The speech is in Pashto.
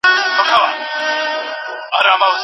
حکومت د بهرنیو پانګونو د جذب پر وړاندي بې تفاوته نه دی.